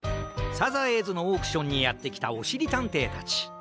サザエーズのオークションにやってきたおしりたんていたち。